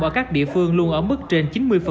ở các địa phương luôn ở mức trên chín mươi